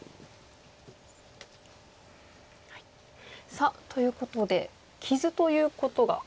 さあということで傷ということが。